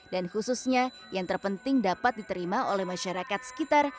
dan khususnya yang terpenting dapat diterima oleh masyarakat sekitar